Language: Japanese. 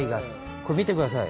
これ、見てください。